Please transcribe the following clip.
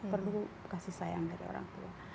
perlu kasih sayang dari orang tua